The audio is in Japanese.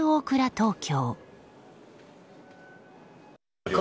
東京。